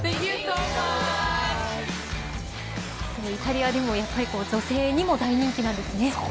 イタリアでもやっぱり女性にも大人気なんですね。